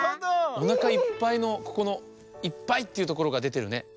おなかいっぱいのここの「いっぱい」っていうところがでてるね。